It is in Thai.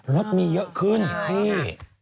รถมีเยอะขึ้นพี่